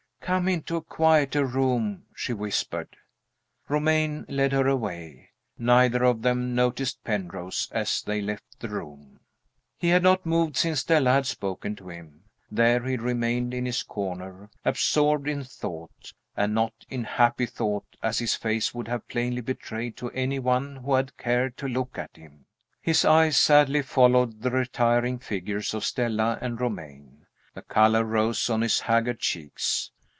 "Come into a quieter room," she whispered. Romayne led her away. Neither of them noticed Penrose as they left the room. He had not moved since Stella had spoken to him. There he remained in his corner, absorbed in thought and not in happy thought, as his face would have plainly betrayed to any one who had cared to look at him. His eyes sadly followed the retiring figures of Stella and Romayne. The color rose on his haggard cheeks.